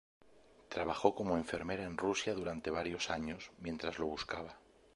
Trabajó como enfermera en Rusia durante varios años, mientras lo buscaba.